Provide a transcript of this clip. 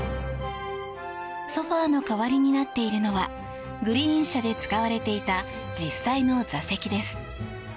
ソファの代わりになっているのはグリーン車で使われていた実際の座席です。